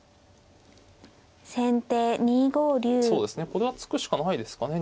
これは突くしかないですかね